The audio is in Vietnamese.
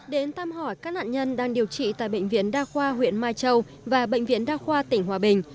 đến thăm hỏi các nạn nhân đang điều trị tại bệnh viện đa khoa huyện mai châu và bệnh viện đa khoa tỉnh hòa bình